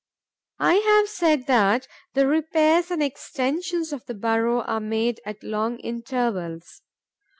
I have said that the repairs and extensions of the burrow are made at long intervals.